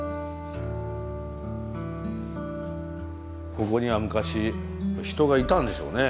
ここには昔人がいたんでしょうね。